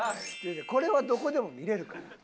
これはどこでも見れるから。